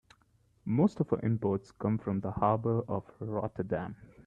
Most of our imports come from the harbor of Rotterdam.